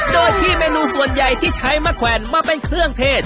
โดยที่เมนูส่วนใหญ่ที่ใช้มะแขวนมาเป็นเครื่องเทศ